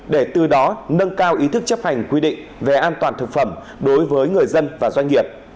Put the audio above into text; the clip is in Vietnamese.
để từ đó nâng cao ý thức chấp hành quy định về an toàn thực phẩm đối với người dân và doanh nghiệp